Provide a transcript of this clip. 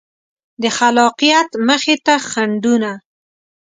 د خلاقیت مخې ته خنډونه